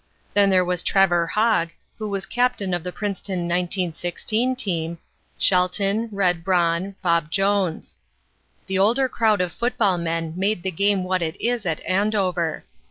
Then there was Trevor Hogg, who was captain of the Princeton 1916 team, Shelton, Red Braun, Bob Jones. The older crowd of football men made the game what it is at Andover.